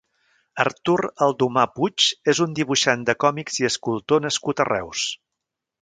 Artur Aldomà Puig és un dibuixant de còmics i escultor nascut a Reus.